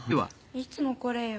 いつもこれよ。